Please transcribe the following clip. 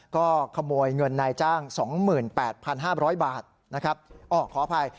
ก็ขโมยเงินนายจ้างสองหมื่นแปดพันห้าร้อยบาทนะครับอ๋อขออภัย